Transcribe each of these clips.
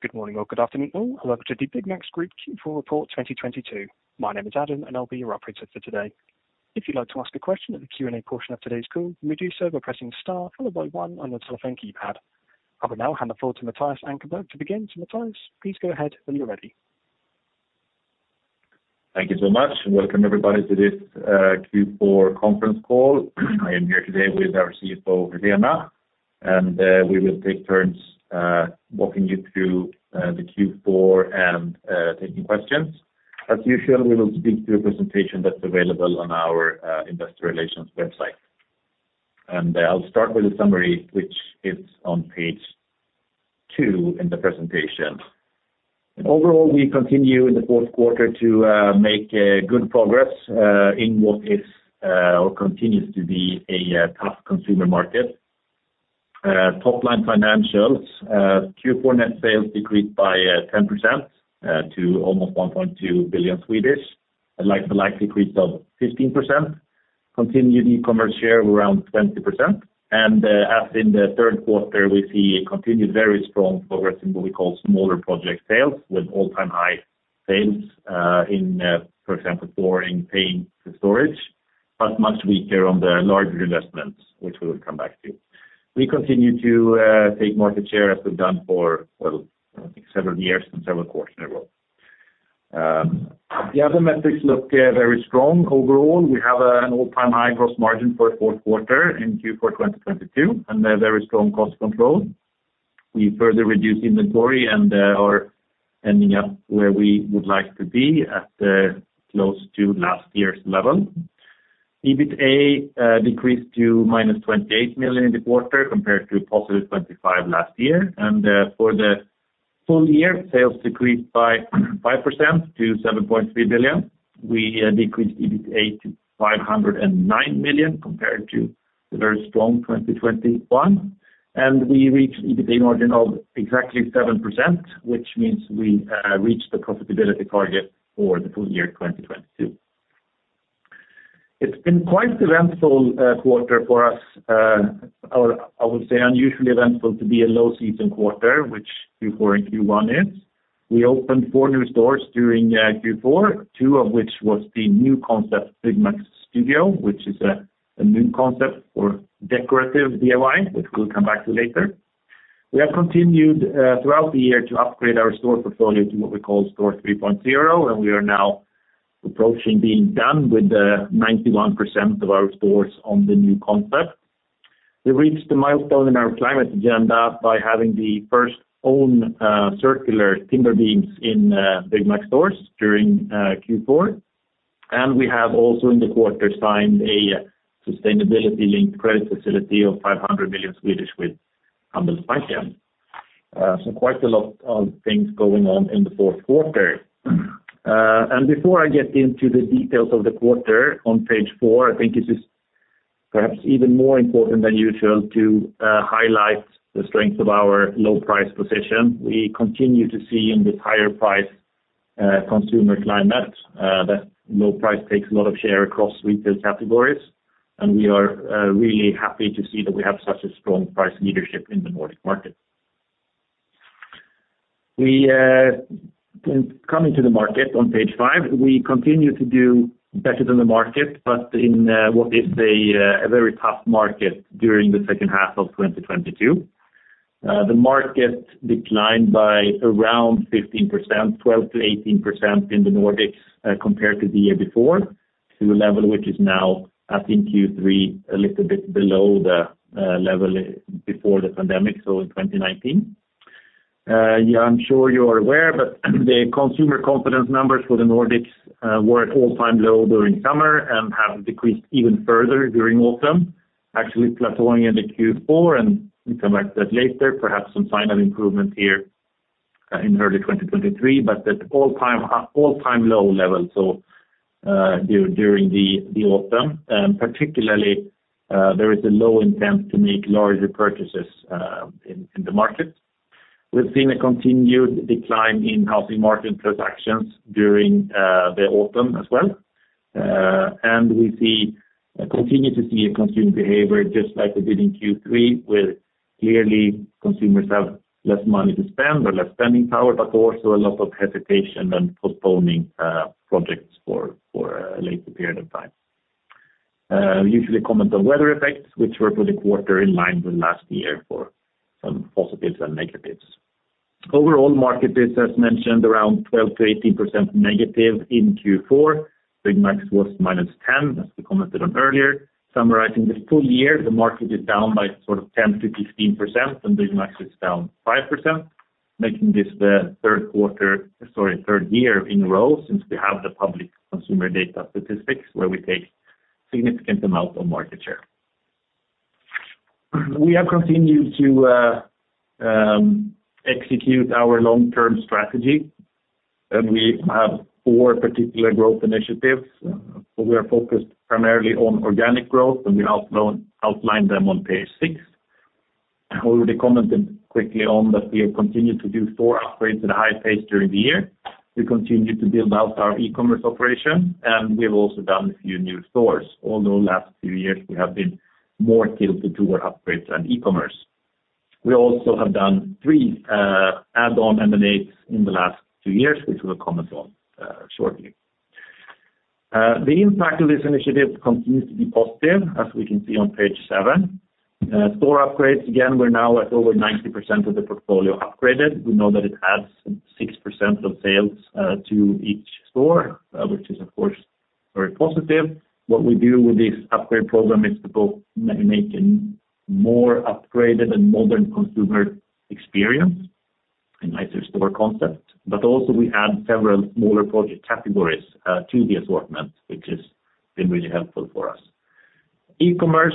Good morning or good afternoon all. Welcome to the Byggmax Group Q4 report 2022. My name is Adam, and I'll be your operator for today. If you'd like to ask a question in the Q&A portion of today's call, you may do so by pressing star followed by one on your telephone keypad. I will now hand the floor to Mattias Ankarberg to begin. Mattias, please go ahead when you're ready. Thank you so much, welcome everybody to this Q4 conference call. I am here today with our CFO, Helena, and we will take turns walking you through the Q4 and taking questions. As usual, we will speak to a presentation that's available on our investor relations website. I'll start with a summary which is on page two in the presentation. Overall, we continue in the fourth quarter to make good progress in what is or continues to be a tough consumer market. Top-line financials. Q4 net sales decreased by 10% to almost 1.2 billion, a like-for-like decrease of 15%. Continued e-commerce share of around 20%. As in the third quarter, we see a continued very strong progress in what we call smaller project sales with all-time high sales in, for example, flooring, paint, and storage, but much weaker on the larger investments, which we'll come back to. We continue to take market share as we've done for, well, I think several years and several quarters in a row. The other metrics look very strong. Overall, we have an all-time high gross margin for fourth quarter in Q4 2022, and a very strong cost control. We further reduced inventory and are ending up where we would like to be at close to last year's level. EBITA decreased to -28 million in the quarter compared to 25 last year. For the full year, sales decreased by 5% to 7.3 billion. We decreased EBITA to 509 million compared to the very strong 2021. We reached EBITA margin of exactly 7%, which means we reached the profitability target for the full year 2022. It's been quite eventful quarter for us. Or I would say unusually eventful to be a low season quarter, which Q4 and Q1 is. We opened four new stores during Q4, two of which was the new concept Byggmax Studio, which is a new concept for decorative DIY, which we'll come back to later. We have continued throughout the year to upgrade our store portfolio to what we call Store 3.0, and we are now approaching being done with the 91% of our stores on the new concept. We reached a milestone in our climate agenda by having the first own circular timber beams in Byggmax stores during Q4. We have also in the quarter signed a sustainability-linked credit facility of 500 million with Nordea. Quite a lot of things going on in the fourth quarter. Before I get into the details of the quarter on page four, I think it is perhaps even more important than usual to highlight the strength of our low price position. We continue to see in this higher price consumer climate that low price takes a lot of share across retail categories, and we are really happy to see that we have such a strong price leadership in the Nordic market. We, coming to the market on page five, we continue to do better than the market, but in what is a very tough market during the second half of 2022. The market declined by around 15%, 12%-18% in the Nordics, compared to the year before, to a level which is now up in Q3, a little bit below the level before the pandemic, so in 2019. I'm sure you are aware, the consumer confidence numbers for the Nordics were at all-time low during summer and have decreased even further during autumn, actually plateauing into Q4. We'll come back to that later. Perhaps some sign of improvement here in early 2023. At all-time low levels during the autumn. Particularly, there is a low intent to make larger purchases in the market. We've seen a continued decline in housing market transactions during the autumn as well. We continue to see a consumer behavior just like we did in Q3, where clearly consumers have less money to spend or less spending power, but also a lot of hesitation and postponing projects for a later period of time. Usually comment on weather effects, which were for the quarter in line with last year for some positives and negatives. Overall market is, as mentioned, around 12%-18% negative in Q4. Byggmax was -10%, as we commented on earlier. Summarizing this full year, the market is down by sort of 10%-15%, and Byggmax is down 5%, making this the third year in a row since we have the public consumer data statistics where we take significant amount of market share. We have continued to execute our long-term strategy, and we have four particular growth initiatives. We are focused primarily on organic growth, and we outlines them on page six. I already commented quickly on that we have continued to do store upgrades at a high pace during the year. We continue to build out our e-commerce operation, and we have also done a few new stores, although last few years we have been more tilted to our upgrades and e-commerce. We also have done three add-on M&As in the last two years, which we will comment on shortly. The impact of this initiative continues to be positive as we can see on page seven. Store upgrades, again, we're now at over 90% of the portfolio upgraded. We know that it adds 6% of sales to each store, which is of course, very positive. What we do with this upgrade program is to both make a more upgraded and modern consumer experience, a nicer store concept. Also we add several smaller project categories to the assortment, which has been really helpful for us. E-commerce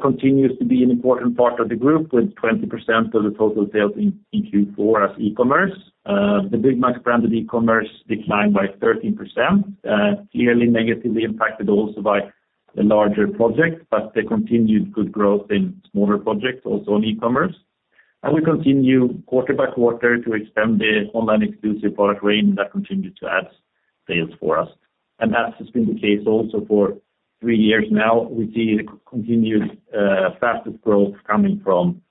continues to be an important part of the group with 20% of the total sales in Q4 as e-commerce. The Byggmax branded e-commerce declined by 13%, clearly negatively impacted also by the larger projects, but the continued good growth in smaller projects also on e-commerce. We continue quarter by quarter to expand the online exclusive product range that continued to add sales for us. That has been the case also for three years now. We see the continued fastest growth coming from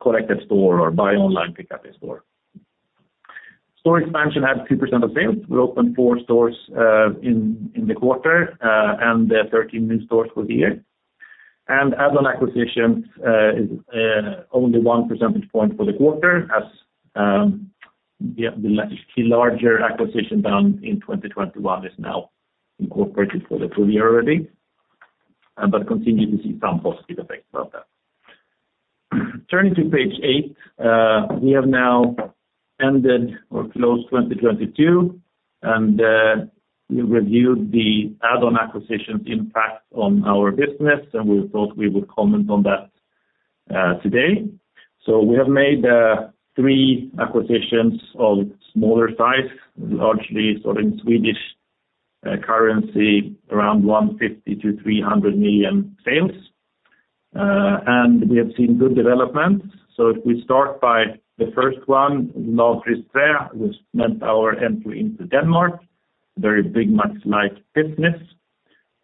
collected store or buy online pickup in store. Store expansion had 2% of sales. We opened four stores in the quarter, and 13 new stores for the year. Add-on acquisitions is only 1 percentage point for the quarter as the larger acquisition done in 2021 is now incorporated for the full year already, but continue to see some positive effects of that. Turning to page eight, we have now ended or closed 2022. We reviewed the add-on acquisitions impact on our business, and we thought we would comment on that today. We have made three acquisitions of smaller size, largely sort of in Swedish currency around 150-300 million sales. We have seen good development. If we start by the first one, Lavpris Træ, this meant our entry into Denmark, very Byggmax like business.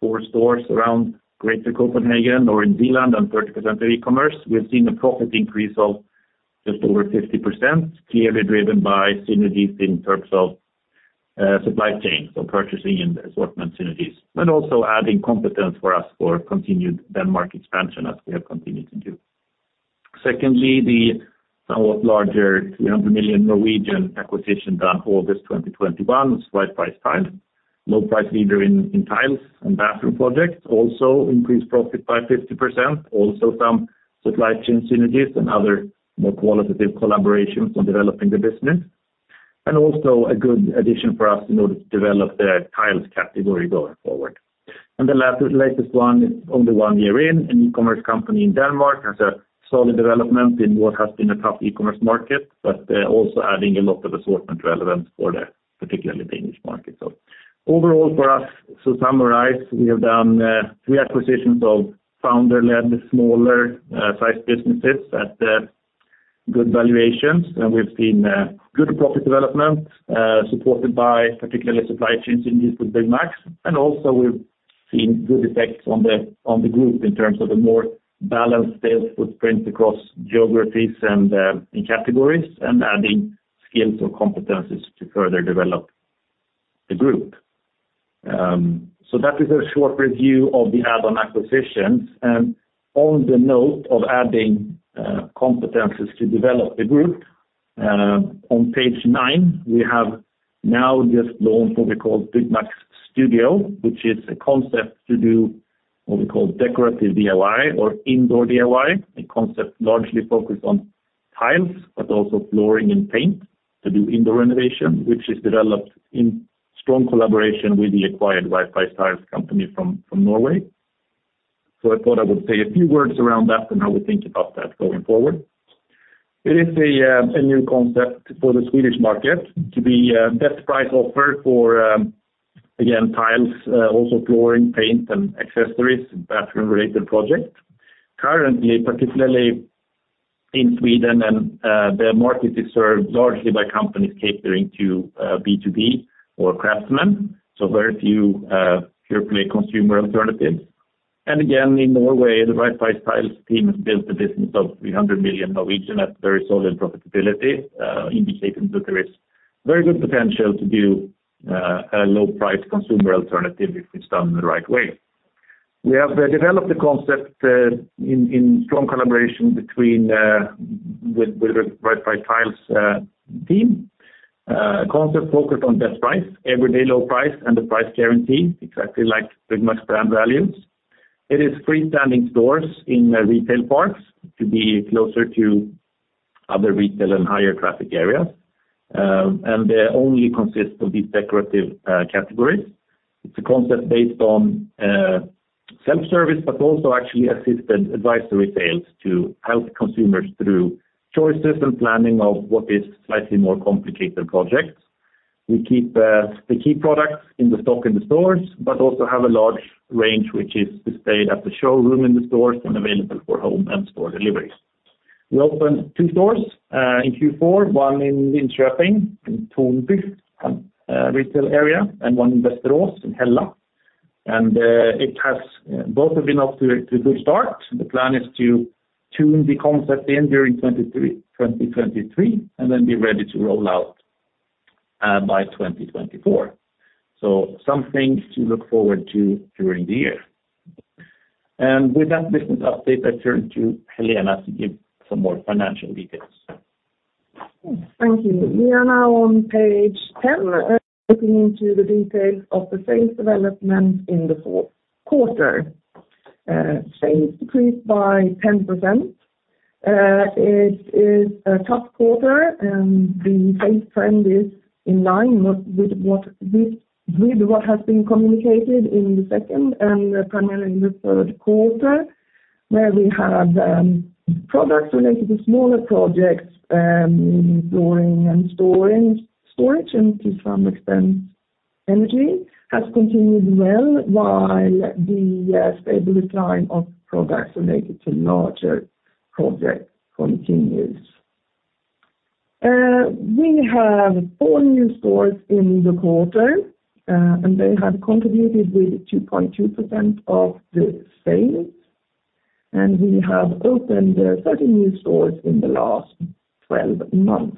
4 stores around Greater Copenhagen or in Zealand and 30% of e-commerce. We have seen a profit increase of just over 50%, clearly driven by synergies in terms of supply chain, so purchasing and assortment synergies, and also adding competence for us for continued Denmark expansion as we have continued to do. Secondly, the somewhat larger 300 million acquisition done August 2021, Right Price Tiles, low price leader in tiles and bathroom projects also increased profit by 50%. Also some supply chain synergies and other more qualitative collaborations on developing the business. Also a good addition for us in order to develop the tiles category going forward. The latest one is only one year in, an e-commerce company in Denmark, has a solid development in what has been a tough e-commerce market, but also adding a lot of assortment relevance for the particularly the Danish market. Overall for us, to summarize, we have done, three acquisitions of founder-led, smaller, sized businesses at, good valuations. We've seen, good profit development, supported by particularly supply chains in use with Byggmax. We've seen good effects on the, on the group in terms of a more balanced sales footprint across geographies and, in categories and adding skills or competencies to further develop the group. That is a short review of the add-on acquisitions. On the note of adding competencies to develop the group, on page nine, we have now just launched what we call Byggmax Studio, which is a concept to do what we call decorative DIY or indoor DIY, a concept largely focused on tiles, but also flooring and paint to do indoor renovation, which is developed in strong collaboration with the acquired Right Price Tiles company from Norway. I thought I would say a few words around that and how we think about that going forward. It is a new concept for the Swedish market to be best price offer for again, tiles, also flooring, paint and accessories, bathroom related projects. Currently, particularly in Sweden, the market is served largely by companies catering to B2B or craftsmen, so very few pure play consumer alternatives. Again, in Norway, the Right Price Tiles team has built a business of 300 million at very solid profitability, indicating that there is very good potential to do a low price consumer alternative if it's done the right way. We have developed the concept in strong collaboration with the Right Price Tiles team. A concept focused on best price, everyday low price, and the price guarantee, exactly like Byggmax brand values. It is freestanding stores in retail parks to be closer to other retail and higher traffic areas, and they only consist of these decorative categories. It's a concept based on self-service, but also actually assisted advisory sales to help consumers through choices and planning of what is slightly more complicated projects. We keep the key products in the stock in the stores, but also have a large range which is displayed at the showroom in the stores and available for home and store deliveries. We opened 2 stores in Q4, one in Linköping in Tornby retail area, and one in Västerås in Hälla. Both have been off to a good start. The plan is to tune the concept in during 2023, and then be ready to roll out by 2024. Some things to look forward to during the year. With that business update, let's turn to Helena to give some more financial details. Thank you. We are now on page 10, looking into the details of the sales development in the fourth quarter. Sales decreased by 10%. It is a tough quarter, and the sales trend is in line with what has been communicated in the second and primarily in the third quarter, where we have products related to smaller projects, flooring and storage, and to some extent, energy has continued well, while the stable decline of products related to larger project continues. We have four new stores in the quarter, and they have contributed with 2.2% of the sales, and we have opened 30 new stores in the last 12 months.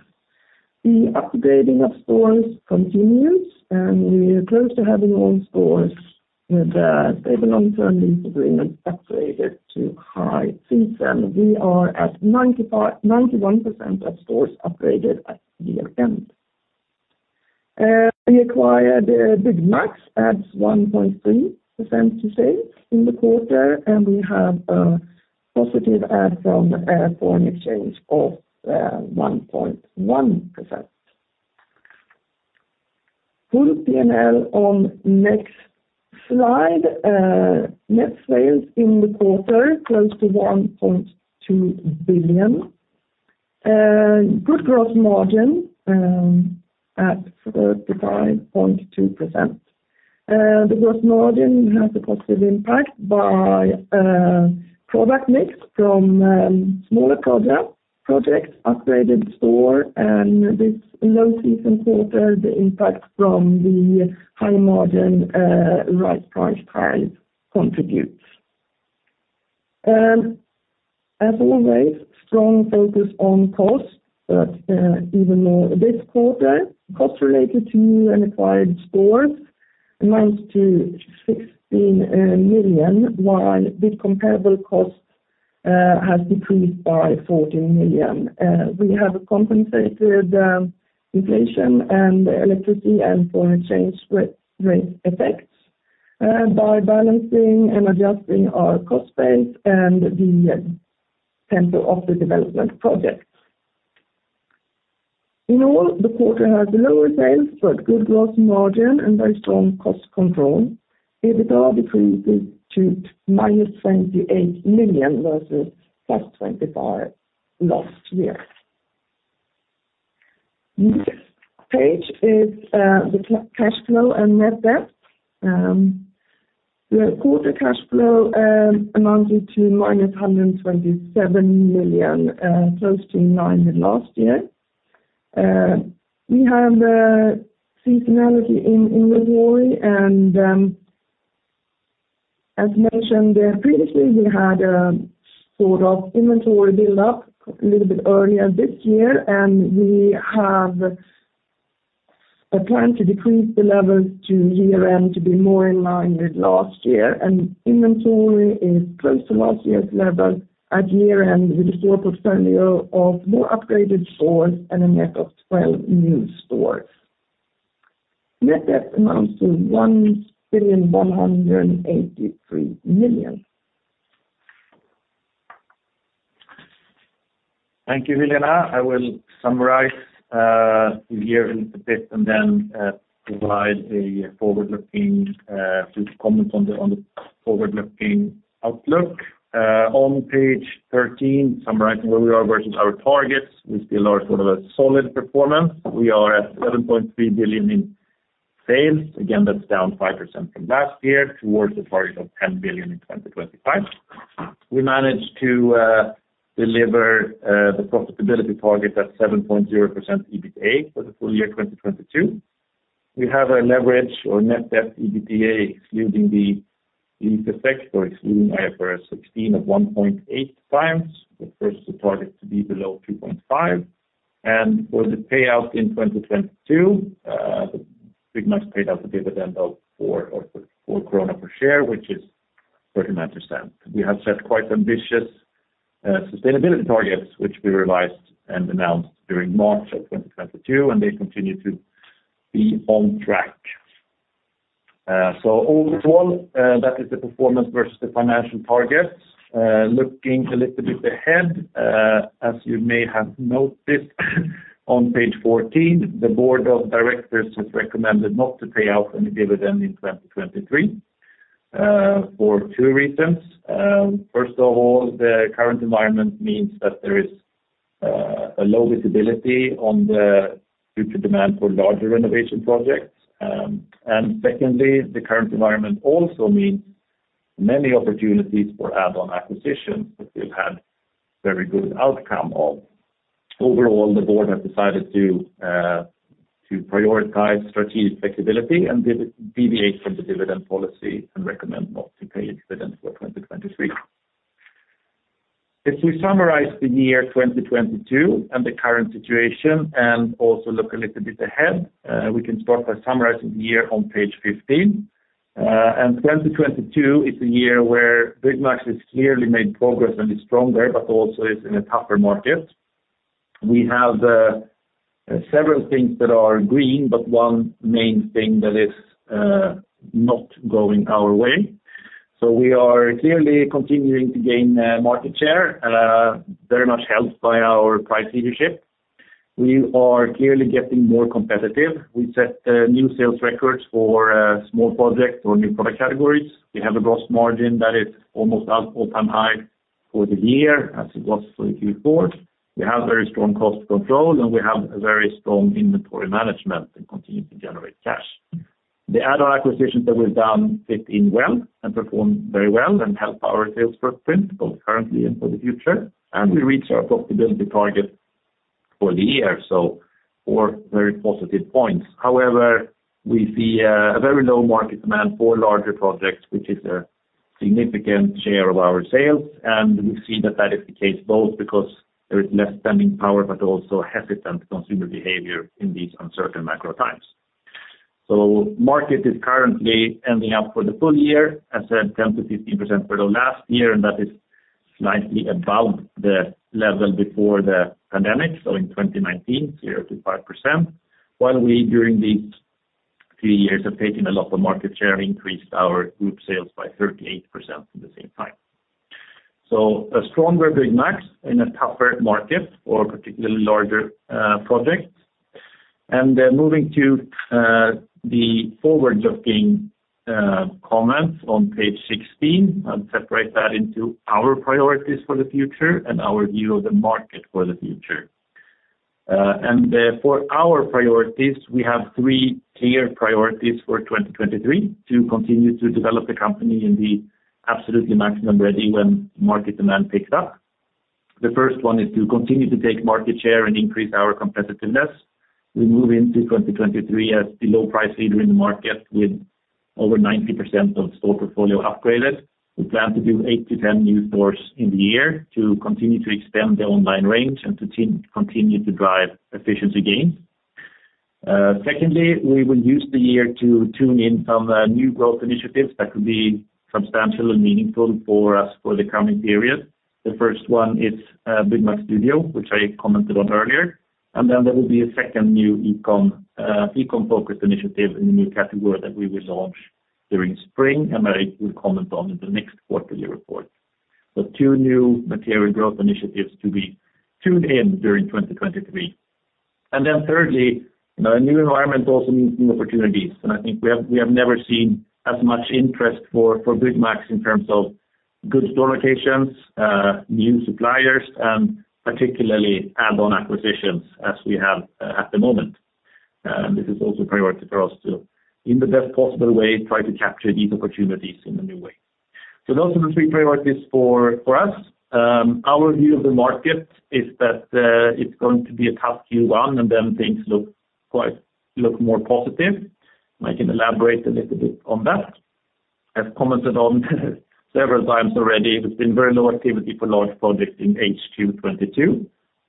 The upgrading of stores continues, and we're close to having all stores with a stable long-term lease agreement upgraded to high season. We are at 91% of stores upgraded at year-end. We acquired BygMax adds 1.3% to sales in the quarter, and we have a positive ad from foreign exchange of 1.1%. Full P&L on next slide. Net sales in the quarter, close to 1.2 billion. Good gross margin at 35.2%. The gross margin has a positive impact by product mix from smaller projects, upgraded store, and this low season quarter, the impact from the high margin Right Price Tiles contributes. As always, strong focus on costs, but even more this quarter, costs related to an acquired store amounts to 16 million, while this comparable cost has decreased by 14 million. We have compensated inflation and electricity and foreign change rate effects by balancing and adjusting our cost base and the tempo of the development projects. In all, the quarter has lower sales, but good gross margin and very strong cost control. EBITA decreased to minus 28 million versus plus 25 million last year. Next page is the cash flow and net debt. The quarter cash flow amounted to minus 127 million, close to 9 million last year. We have the seasonality in the quarry, and as mentioned previously, we had sort of inventory build up a little bit earlier this year, and we have a plan to decrease the levels to year-end to be more in line with last year. Inventory is close to last year's level at year-end with the store portfolio of more upgraded stores and a net of 12 new stores. Net debt amounts to 1,183 million. Thank you, Helena. I will summarize the year a little bit and then provide a forward-looking to comment on the forward-looking outlook. On page 13, summarizing where we are versus our targets with Byggmax sort of a solid performance. We are at 7.3 billion in sales. Again, that's down 5% from last year towards the target of 10 billion in 2025. We managed to deliver the profitability target at 7.0% EBITA for the full year 2022. We have a leverage or net debt EBITA excluding the effect or excluding IFRS 16 of 1.8x, the first target to be below 2.5. For the payout in 2022, BygMax paid out a dividend of 4 SEK per share, which is 39%. We have set quite ambitious sustainability targets, which we realized and announced during March of 2022, they continue to be on track. Overall, that is the performance versus the financial targets. Looking a little bit ahead, as you may have noticed on page 14, the board of directors has recommended not to pay out any dividend in 2023 for two reasons. First of all, the current environment means that there is a low visibility on the future demand for larger renovation projects. Secondly, the current environment also means many opportunities for add-on acquisitions that we've had very good outcome of. Overall, the board has decided to prioritize strategic flexibility and deviate from the dividend policy and recommend not to pay dividends for 2023. If we summarize the year 2022 and the current situation and also look a little bit ahead, we can start by summarizing the year on page 15. 2022 is a year where Byggmax has clearly made progress and is stronger, but also is in a tougher market. We have several things that are green, but one main thing that is not going our way. We are clearly continuing to gain market share, very much helped by our price leadership. We are clearly getting more competitive. We set new sales records for small projects or new product categories. We have a gross margin that is almost at all-time high for the year, as it was for Q4. We have very strong cost control, and we have a very strong inventory management that continue to generate cash. The add-on acquisitions that we've done fit in well and perform very well and help our sales footprint, both currently and for the future. We reach our profitability target for the year. four very positive points. However, we see a very low market demand for larger projects, which is a significant share of our sales. We see that that is the case both because there is less spending power, but also hesitant consumer behavior in these uncertain macro times. market is currently ending up for the full year, as I said, 10%-15% for the last year, and that is slightly above the level before the pandemic. In 2019, 0%-5%, while we, during these three years have taken a lot of market share, increased our group sales by 38% at the same time. A stronger Byggmax in a tougher market or particularly larger projects. Moving to the forward-looking comments on page 16. I'll separate that into our priorities for the future and our view of the market for the future. For our priorities, we have three clear priorities for 2023 to continue to develop the company and be absolutely maximum ready when market demand picks up. The first one is to continue to take market share and increase our competitiveness. We move into 2023 as the low price leader in the market with over 90% of store portfolio upgraded. We plan to do 8-10 new stores in the year to continue to expand the online range and to continue to drive efficiency gains. Secondly, we will use the year to tune in some new growth initiatives that could be substantial and meaningful for us for the coming period. The first one is Byggmax Studio, which I commented on earlier. There will be a second new e-commerce e-commerce-focused initiative in a new category that we will launch during spring, and I will comment on in the next quarterly report. So two new material growth initiatives to be tuned in during 2023. Thirdly, you know, a new environment also means new opportunities. I think we have never seen as much interest for Byggmax in terms of good store locations, new suppliers, and particularly add-on acquisitions as we have at the moment. This is also priority for us to, in the best possible way, try to capture these opportunities in a new way. Those are the three priorities for us. Our view of the market is that it's going to be a tough Q1, and then things look more positive. I can elaborate a little bit on that. I've commented on several times already. There's been very low activity for large projects in H2 2022.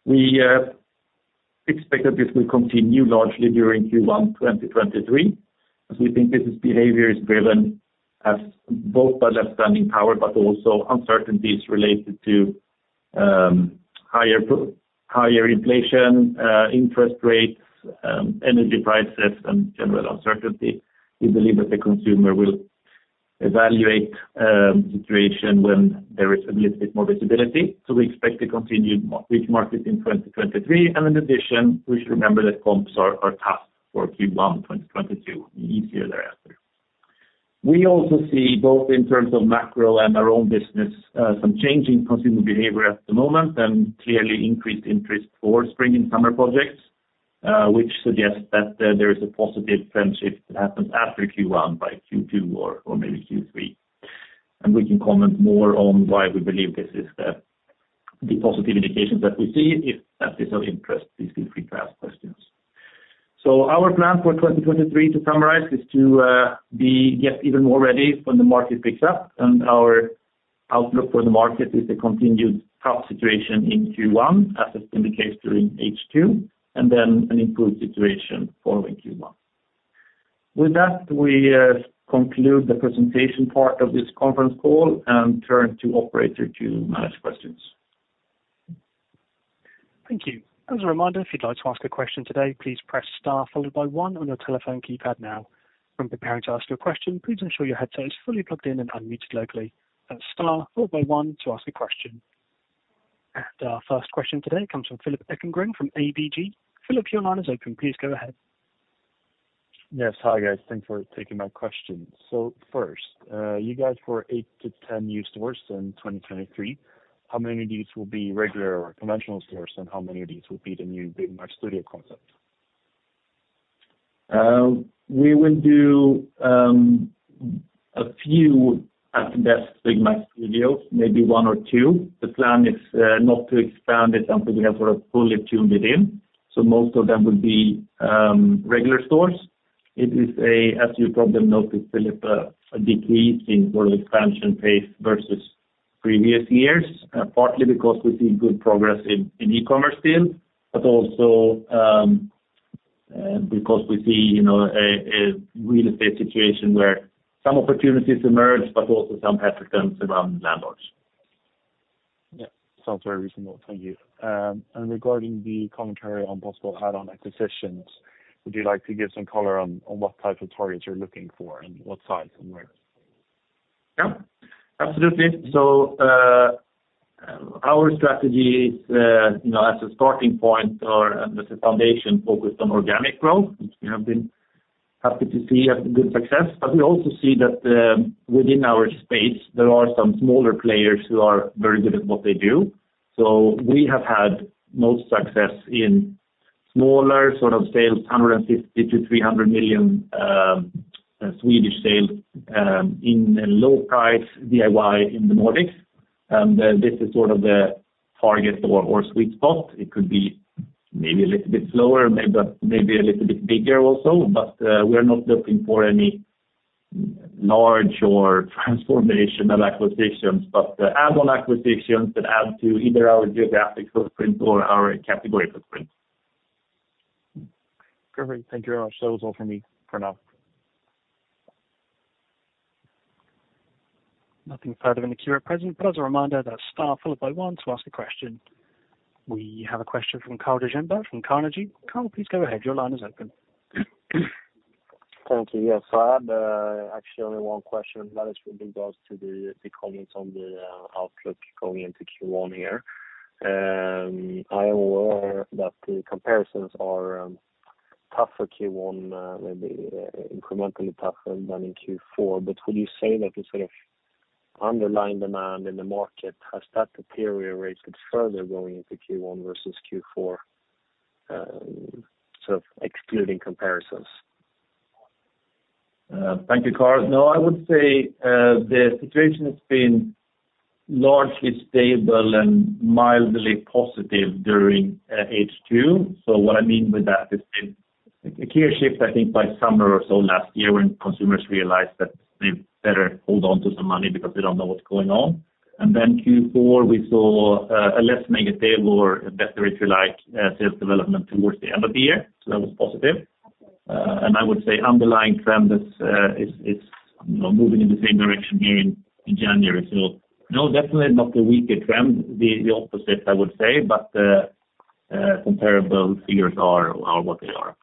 We expect that this will continue largely during Q1 2023, as we think business behavior is driven as both by less spending power, but also uncertainties related to higher inflation, interest rates, energy prices, and general uncertainty. We believe that the consumer will evaluate the situation when there is a little bit more visibility. We expect to continue with market in 2023. In addition, we should remember that comps are tough for Q1 2022 and easier thereafter. We also see both in terms of macro and our own business, some change in consumer behavior at the moment and clearly increased interest for spring and summer projects, which suggests that there is a positive trend shift that happens after Q1 by Q2 or maybe Q3. We can comment more on why we believe this is the positive indications that we see if that is of interest these in free to ask questions. Our plan for 2023, to summarize, is to be yet even more ready when the market picks up. Our outlook for the market is a continued tough situation in Q1 as it indicates during H2, and then an improved situation following Q1. With that, we conclude the presentation part of this conference call and turn to operator to manage questions. Thank you. As a reminder, if you'd like to ask a question today, please press star followed by one on your telephone keypad now. When preparing to ask your question, please ensure your headset is fully plugged in and unmuted locally. That's star followed by one to ask a question. Our first question today comes from Philip Ekengren from ABG. Philip, your line is open. Please go ahead. Yes. Hi, guys. Thanks for taking my question. First, you guys for 8-10 new stores in 2023, how many of these will be regular or conventional stores, and how many of these will be the new Byggmax Studio concept? We will do a few at best Byggmax Studio, maybe one or two. The plan is not to expand it until we have sort of fully tuned it in, so most of them will be regular stores. It is, as you probably noticed, Philip, a decrease in sort of expansion pace versus previous years, partly because we see good progress in e-commerce sales, but also because we see, you know, a real estate situation where some opportunities emerge, but also some hesitance around landlords. Yeah. Sounds very reasonable. Thank you. Regarding the commentary on possible add-on acquisitions, would you like to give some color on what type of targets you're looking for and what size and where? Yeah. Absolutely. Our strategy is, you know, as a starting point or as a foundation focused on organic growth, which we have been happy to see has been success. We also see that, within our space, there are some smaller players who are very good at what they do. We have had most success in smaller sort of sales, 150 million-300 million Swedish sales, in low price DIY in the Nordics. This is sort of the target or sweet spot. It could be maybe a little bit slower, but maybe a little bit bigger also. We are not looking for any large or transformational acquisitions, but add-on acquisitions that add to either our geographic footprint or our category footprint. Great. Thank you very much. That was all for me for now. Nothing further in the queue at present. As a reminder, that's star one to ask a question. We have a question from Carl De Geer from Carnegie. Carl, please go ahead. Your line is open. Thank you. Yes. I have actually only 1 question that is with regards to the comments on the outlook going into Q1 here. I am aware that the comparisons are tough for Q1, maybe incrementally tougher than in Q4. Would you say that the sort of underlying demand in the market, has that deteriorated further going into Q1 versus Q4, sort of excluding comparisons? Thank you, Carl. I would say the situation has been largely stable and mildly positive during H2. What I mean with that, it's been a clear shift, I think by summer or so last year, when consumers realized that they better hold on to some money because they don't know what's going on. Q4 we saw a less negative or better, if you like, sales development towards the end of the year. That was positive. I would say underlying trend is, you know, moving in the same direction here in January. Definitely not the weaker trend. The opposite, I would say. Comparable figures are what they are.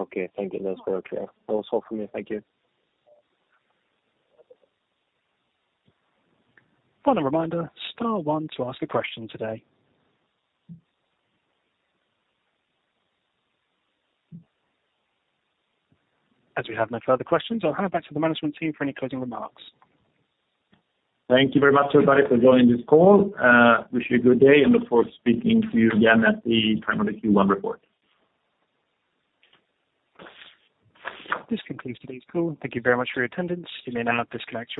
Okay, thank you. That's very clear. That was all from me. Thank you. Final reminder, star one to ask a question today. As we have no further questions, I'll hand it back to the management team for any closing remarks. Thank you very much everybody for joining this call. wish you a good day and look forward to speaking to you again at the time of the Q1 report. This concludes today's call. Thank You very much for your attendance. You may now disconnect.